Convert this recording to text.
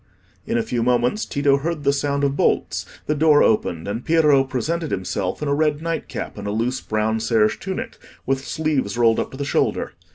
In a few moments Tito heard the sound of bolts, the door opened, and Piero presented himself in a red night cap and a loose brown serge tunic, with sleeves rolled up to the shoulder.